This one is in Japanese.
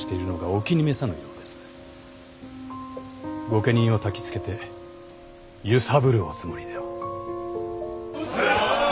御家人をたきつけて揺さぶるおつもりでは。